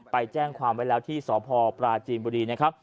ไปแจ้งความไว้แล้วที่สพปราจีนบุรีนะครับ